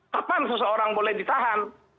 kapan seseorang boleh ditahan